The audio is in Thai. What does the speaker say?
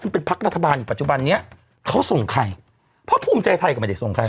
ซึ่งเป็นพักรัฐบาลอยู่ปัจจุบันนี้เขาส่งใครเพราะภูมิใจไทยก็ไม่ได้ส่งใคร